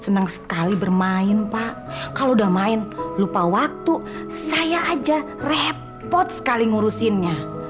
senang sekali bermain pak kalau udah main lupa waktu saya aja repot sekali ngurusinnya